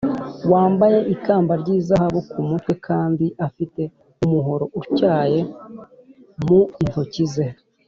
wambaye ikamba ry’izahabu ku mutwe kandi afite umuhoro utyaye mu intoki ze.